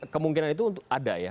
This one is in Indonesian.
kemungkinan itu ada ya